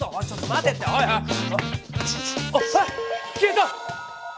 消えた！